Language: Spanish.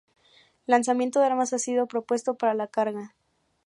Lanzamiento de armas ha sido propuesto para la carga.